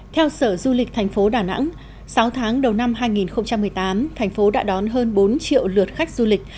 theo sở du lịch thành phố đà nẵng sáu tháng đầu năm hai nghìn một mươi tám thành phố đã đón hơn bốn triệu lượt khách du lịch